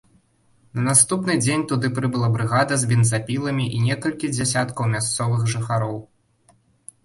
На наступны дзень туды прыбыла брыгада з бензапіламі і некалькі дзясяткаў мясцовых жыхароў.